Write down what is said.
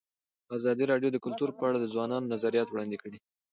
ازادي راډیو د کلتور په اړه د ځوانانو نظریات وړاندې کړي.